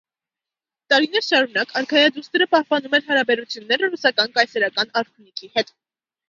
Տարիներ շարունակ արքայադուստրը պահպանում էր հարաբերությունները ռուսական կայսերական արքունիքի հետ։